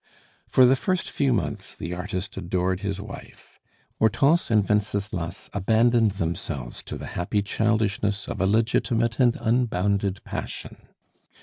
For the first few months the artist adored his wife. Hortense and Wenceslas abandoned themselves to the happy childishness of a legitimate and unbounded passion.